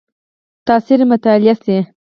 تاثیر مطالعه شي.